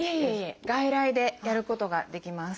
外来でやることができます。